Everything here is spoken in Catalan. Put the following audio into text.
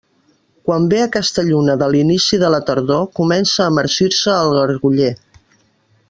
Quan ve aquesta lluna de l'inici de la tardor, comença a marcir-se el garguller.